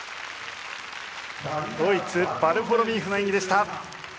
ドイツヴァルフォロミーフの演技でした。